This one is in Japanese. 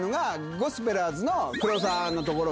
ゴスペラーズの黒沢の所。